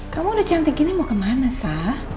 kamu udah cantik gini mau kemana sa